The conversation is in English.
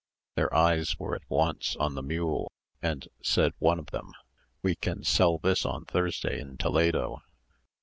Their eyes were at once on the mule, and said one of them, "We can sell this on Thursday in Toledo."